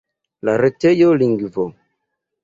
La retejo lingvo.